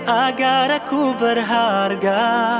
agar aku berharga